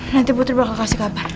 nanti putri bakal kasih kabar